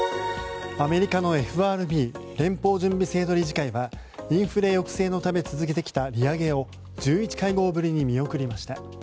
アメリカのＦＲＢ・連邦準備制度理事会はインフレ抑制のため続けてきた利上げを１１会合ぶりに見送りました。